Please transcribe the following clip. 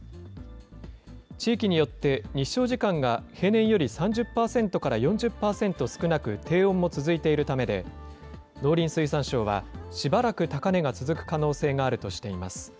地域によって日照時間が平年より３０％から４０％少なく、低温も続いているためで、農林水産省は、しばらく高値が続く可能性があるとしています。